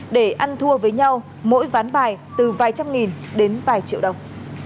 để ăn thua với nhau mỗi ván bài từ vài trăm nghìn đến vài triệu đồng